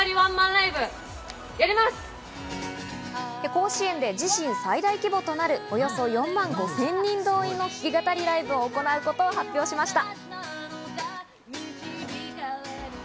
甲子園で自身最大規模となるおよそ４万５０００人動員の弾き語りライブを行うことを発表しました。